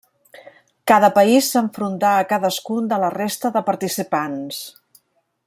Cada país s'enfrontà a cadascun de la resta de participants.